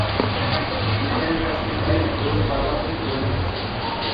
يۈزلىرى، قاش-كۆزلىرى روزى قارىغا قويۇپ قويغاندەك ئوخشايتتى.